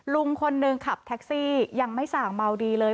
ลุงคนหนึ่งขับแท็กซี่ยังไม่สั่งเมาดีเลย